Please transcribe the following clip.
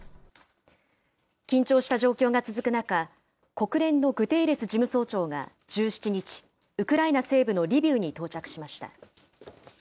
緊張した状況が続く中、国連のグテーレス事務総長が１７日、ウクライナ西部のリビウに到着しました。